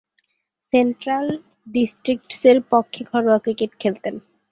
Central ডিস্ট্রিক্টসের পক্ষে ঘরোয়া ক্রিকেট খেলতেন।